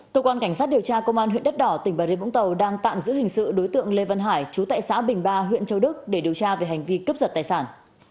cơ quan cảnh sát điều tra công an huyện đất đỏ tỉnh bà rê vũng tàu đang tạm giữ hình sự đối tượng lê văn hải chú tại xã bình ba huyện châu đức để điều tra về hành vi cướp giật tài sản